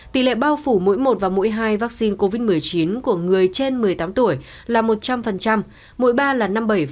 tỷ lệ bao phủ mỗi một và mũi hai vaccine covid một mươi chín của người trên một mươi tám tuổi là một trăm linh mũi ba là năm mươi bảy